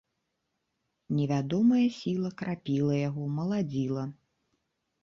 Невядомая сіла крапіла яго, маладзіла.